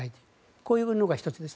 こういうのが１つです。